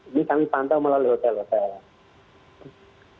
ini kami pantau melalui hotel hotel